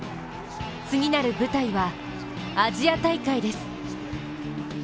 次なる舞台はアジア大会です。